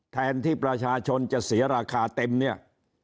แทนที่ประชาชนจะเสียราคาเต็มเนี่ย